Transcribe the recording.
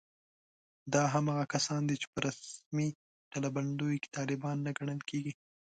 دا هماغه کسان دي چې په رسمي ډلبندیو کې طالبان نه ګڼل کېږي